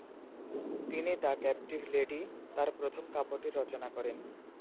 তিনি the captive lady তার প্রথম কাব্যটির রচনা করেন।